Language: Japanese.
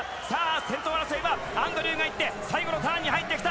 先頭争いはアンドリューがいって、最後ターンに入ってきた。